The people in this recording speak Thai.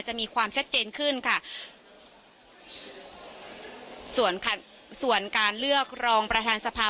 จะมีความชัดเจนขึ้นค่ะส่วนขัดส่วนการเลือกรองประธานสภา